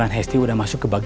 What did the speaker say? banyain urut lagi